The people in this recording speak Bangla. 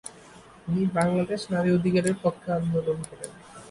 তিনি বাংলাদেশে নারী অধিকারের পক্ষে আন্দোলন করেন।